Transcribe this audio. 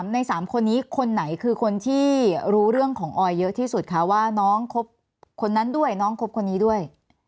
ใน๓คนนี้คนไหนคือคนที่รู้เรื่องของออยเยอะที่สุดคะว่าน้องคบคนนั้นด้วยน้องคบคนนี้ด้วย